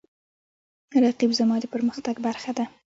رقیب زما د پرمختګ برخه ده